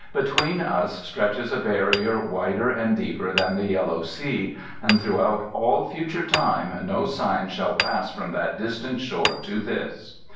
Between us stretches a barrier wider and deeper than the Yellow Sea, and throughout all future time no sign shall pass from that distant shore to this.